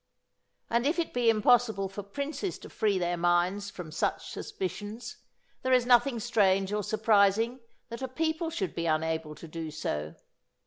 And if it be impossible for princes to free their minds from such suspicions, there is nothing strange or surprising that a people should be unable to do so.